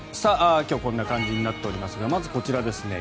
今日はこんな感じになっておりますがまずはこちらですね。